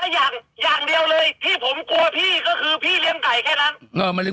อย่างอย่างเดียวเลยที่ผมกลัวพี่ก็คือพี่เลี้ยงไก่แค่นั้น